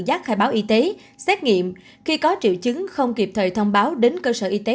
giác khai báo y tế xét nghiệm khi có triệu chứng không kịp thời thông báo đến cơ sở y tế